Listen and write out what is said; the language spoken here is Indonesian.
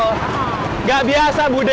nggak biasa budde